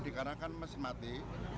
dikarenakan mesin mati